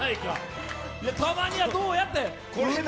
たまには、どうやって。